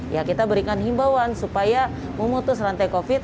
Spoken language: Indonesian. ya kita berikan himbauan supaya memutus rantai covid sembilan belas